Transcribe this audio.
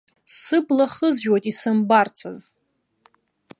Сыбла хызҩоит исымбарцаз.